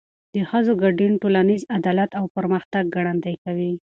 د ښځو ګډون ټولنیز عدالت او پرمختګ ګړندی کوي.